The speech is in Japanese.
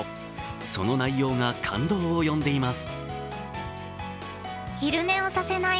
その内容が感動を呼んでいます。